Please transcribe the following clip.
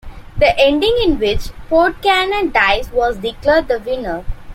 The ending in which Podkayne dies was declared the winner.